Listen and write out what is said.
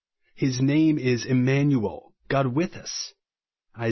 His name is " Immanuel," God with us (Isa.